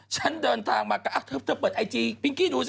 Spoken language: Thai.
ฉันเดินทางมาก็เธอเปิดไอจีพิงกี้ดูสิ